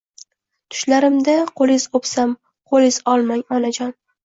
Tushlarimda quliz upsam quliz olmang Onajon